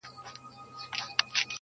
یو احمد وو بل محمود وو سره ګران وه,